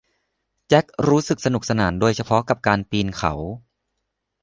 แจ็ครู้สึกสนุกสนานโดยเฉพาะกับการปีนเขา